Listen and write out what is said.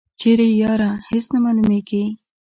چیری یی یاره هیڅ نه معلومیږي.